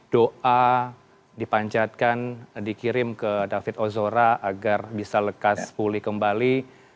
doa dipanjatkan dikirim ke david ozora agar bisa lekas pulih kembali